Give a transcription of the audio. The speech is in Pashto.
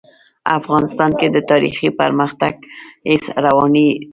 افغانستان کې د تاریخ د پرمختګ هڅې روانې دي.